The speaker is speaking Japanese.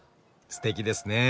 すてきですね。